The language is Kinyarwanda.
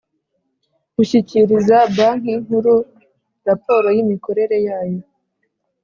gushyikiriza Banki Nkuru raporo yimikorere yayo